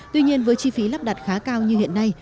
tuy nhiên với chi phí lắp đặt khá cao như hiện nay